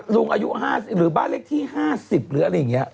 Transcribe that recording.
อายุ๕๐หรือบ้านเลขที่๕๐หรืออะไรอย่างนี้